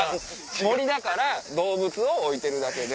森だから動物を置いてるだけで。